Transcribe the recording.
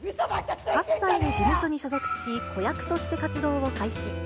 ８歳で事務所に所属し、子役として活動を開始。